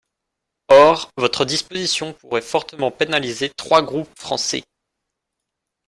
Or, votre disposition pourrait fortement pénaliser trois groupes français.